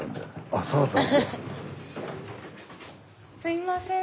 あっすいません。